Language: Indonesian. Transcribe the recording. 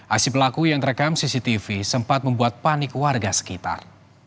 aksi pelaku yang terekam cctv sempat membuat panik warga sekitar